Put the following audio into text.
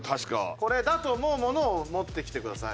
これだと思うものを持ってきてください。